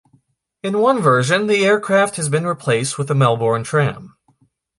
In one version, the aircraft has been replaced with a Melbourne tram.